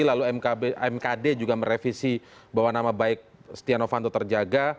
lalu mkd juga merevisi bahwa nama baik setia novanto terjaga